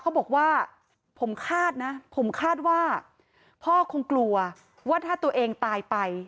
เขาบอกว่าผมคาดนะผมคาดว่าพ่อคงกลัวว่าถ้าตัวเองตายไป